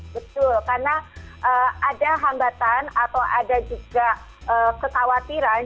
betul karena ada hambatan atau ada juga kekhawatiran